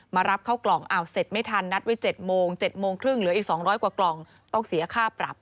มารับเข้ากล่องอ้าวเสร็จไม่ทันนัดไว้๗โมง๗โมงครึ่งเหลืออีก๒๐๐กว่ากล่องต้องเสียค่าปรับ